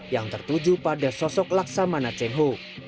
yang tertuju pada sosok laksamana cheng ho